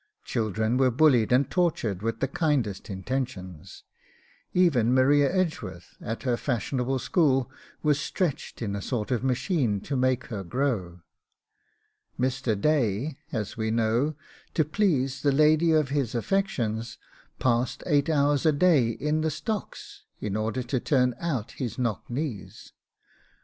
Children were bullied and tortured with the kindest intentions; even Maria Edgeworth at her fashionable school was stretched in a sort of machine to make her grow; Mr. Day, as we know, to please the lady of his affections, passed eight hours a day in the stocks in order to turn out his knock knees.